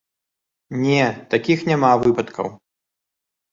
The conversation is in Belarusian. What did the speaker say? Не, такіх няма выпадкаў.